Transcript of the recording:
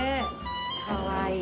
かわいい！